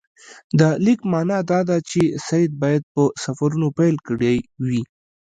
د لیک معنی دا ده چې سید باید په سفرونو پیل کړی وي.